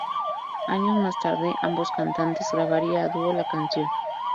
Años más tarde, ambos cantantes grabaría a duo la canción.